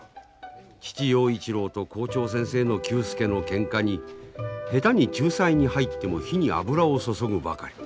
父陽一郎と校長先生の久助のけんかに下手に仲裁に入っても火に油を注ぐばかり。